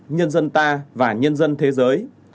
nhân dân ta và nhân dân thế giới